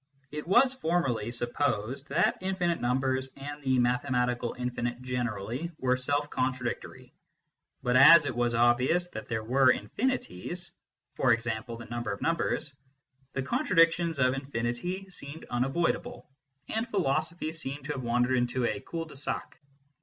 It was formerly supposed that infinite numbers, and the mathematical infinite generally, were self contradictory. But as it was obvious that there were infinities for example, the number of numbers the contradictions of infinity seemed unavoidable, and philosophy seemed to MATHEMATICS AND METAPHYSICIANS 85 \ A have wandered into a " cul de sac."